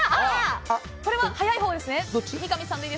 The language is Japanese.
これは早いほうですね。